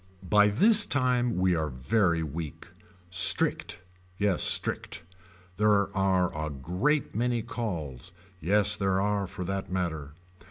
By this time we are very weak. Strict. Yes strict. There are a great many calls. Yes there are for that matter.